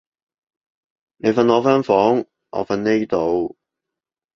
你瞓我間房，我瞓呢度